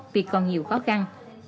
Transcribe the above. vì còn nhiều khó khăn